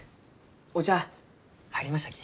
お茶入りましたき。